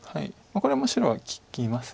これも白は利きます